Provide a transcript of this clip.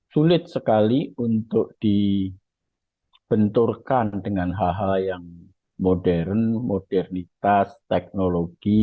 sulit sekali untuk dibenturkan dengan hal hal yang modern modernitas teknologi